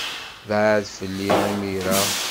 Bɛed fell-i imir-a!